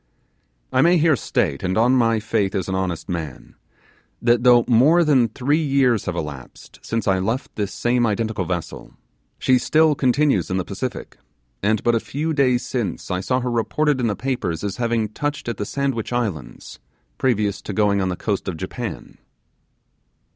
I may here state, and on my faith as an honest man, that though more than three years have elapsed since I left this same identical vessel, she still continues; in the Pacific, and but a few days since I saw her reported in the papers as having touched at the Sandwich Islands previous to going on the coast of Japan.